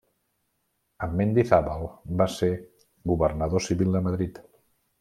Amb Mendizábal va ser governador civil de Madrid.